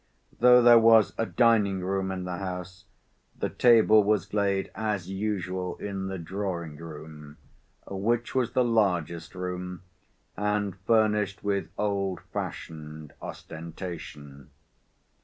Though there was a dining‐ room in the house, the table was laid as usual in the drawing‐room, which was the largest room, and furnished with old‐fashioned ostentation.